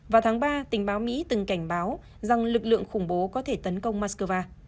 vào tháng ba tình báo mỹ từng cảnh báo rằng lực lượng khủng bố có thể tấn công moscow